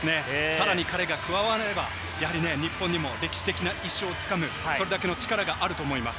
さらに彼が加われば、やはりね、日本にも歴史的な一勝をつかむ、それだけの力があると思います。